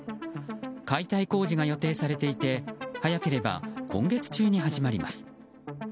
解体工事が予定されていて早ければ今月中に始まります。